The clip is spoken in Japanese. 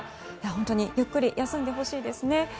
本当にゆっくり休んでほしいですね。